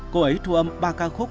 cô ấy thu âm ba ca khúc